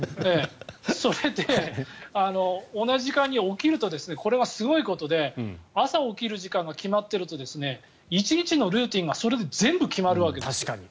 それで、同じ時間に起きるとこれはすごいことで朝起きる時間が決まっていると１日のルーチンがそれで全部決まるわけです。